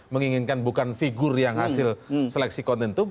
menginginkan bukan figur yang hasil seleksi konten itu